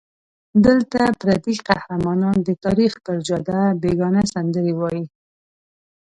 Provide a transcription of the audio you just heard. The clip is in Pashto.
دلته پردي قهرمانان د تاریخ پر جاده بېګانه سندرې وایي.